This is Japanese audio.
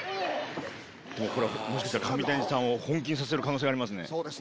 これもしかしたら上谷さんを本気にさせる可能性ありますね。